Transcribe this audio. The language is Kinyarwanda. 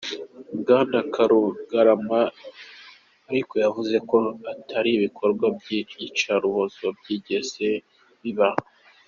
Bwana Karugarama ariko yavuze ko ata bikorwa by’iyicarubozo byigeze biba.